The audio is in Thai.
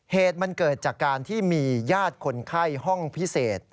เหตุมันเกิดจากการที่มีญาติคนไข้ห้องพิเศษ